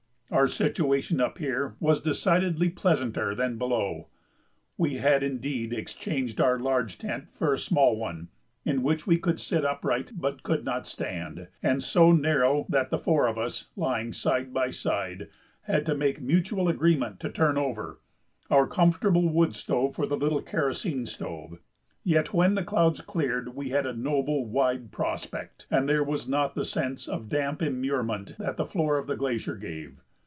Our situation up here was decidedly pleasanter than below. We had indeed exchanged our large tent for a small one in which we could sit upright but could not stand, and so narrow that the four of us, lying side by side, had to make mutual agreement to turn over; our comfortable wood stove for the little kerosene stove; yet when the clouds cleared we had a noble, wide prospect and there was not the sense of damp immurement that the floor of the glacier gave.